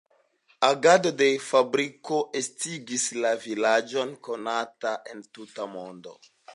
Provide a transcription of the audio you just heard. Agado de la fabriko estigis la vilaĝon konata en tuta mondo.